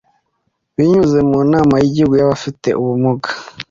binyuze mu Nama y’Igihugu y’Abafite ubumuga